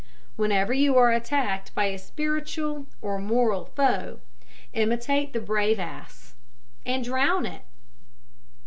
Whenever you are attacked by a spiritual or moral foe, imitate the brave ass, and drown it.